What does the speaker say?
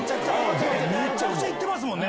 めちゃくちゃ行ってますもんね。